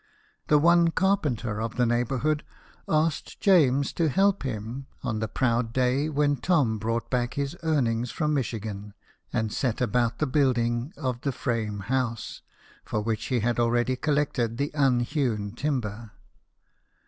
The one carpenter of the neighbourhood asked James to help him, on the proud day when Tom brought back his earnings from Michigan, and set about the building of the frame house, for which he had already collected the unhewn timber.